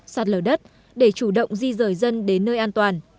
sạt lở đất để chủ động di rời dân đến nơi an toàn